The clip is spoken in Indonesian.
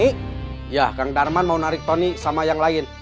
ya kang darman mau narik tony sama yang lain